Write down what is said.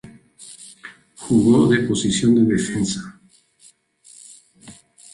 Jugó de posición de defensa.